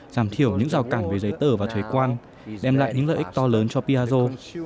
giảm thiểu những rào cản về giấy tờ và thuế quan đem lại những lợi ích to lớn cho piaggio